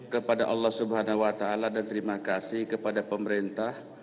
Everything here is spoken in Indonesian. kepada allah swt dan terima kasih kepada pemerintah